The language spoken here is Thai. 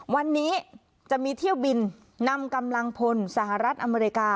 วันนี้จะมีเที่ยวบินนำกำลังพลสหรัฐอเมริกา